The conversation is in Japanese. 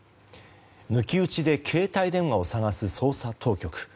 抜き打ちで携帯電話を探す捜査当局。